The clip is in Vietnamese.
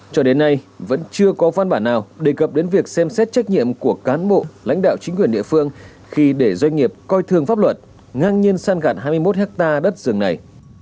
cho đến nay vẫn chưa có văn bản nào đề cập đến việc xem xét trách nhiệm của cán bộ lãnh đạo chính quyền địa phương khi để doanh nghiệp coi thường pháp luật ngang nhiên san gạt hai mươi một hectare đất rừng này